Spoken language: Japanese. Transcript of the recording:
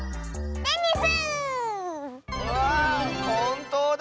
わあほんとうだ！